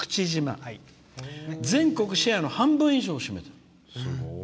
全国シェアの半分以上を占めている。